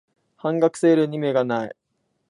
半額セールに目がない